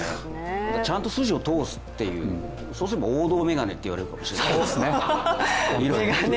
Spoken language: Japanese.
ちゃんと筋を通すっていう、そうすれば王道メガネって言われるかもしれないですね。